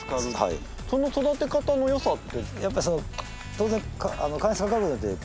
その育て方の良さって？